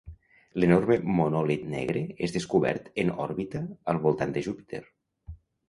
L'enorme monòlit negre és descobert en òrbita al voltant de Júpiter.